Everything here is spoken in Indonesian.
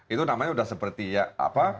itu namanya sudah seperti apa